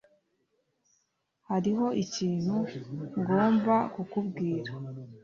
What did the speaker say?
Hariho ikintu ngomba kukubwira